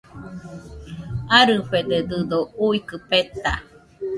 Jarɨfededɨdo uikɨ peta